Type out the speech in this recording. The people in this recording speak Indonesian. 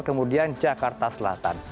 kemudian jakarta selatan